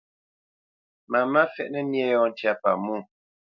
Mamá fɛ́ʼnǝ nyé yɔ̂ ntyá pamwô.